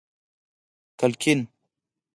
کړکۍ